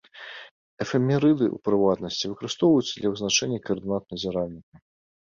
Эфемерыды, у прыватнасці, выкарыстоўваюцца для вызначэння каардынат назіральніка.